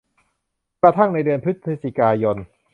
กระทั่งในเดือนพฤศจิกายน